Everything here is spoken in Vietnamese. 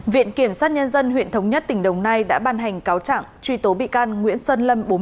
viện kiểm sát nhân dân huyện thống nhất tỉnh đồng nai đã ban hành cáo trạng truy tố bị can nguyễn sơn lâm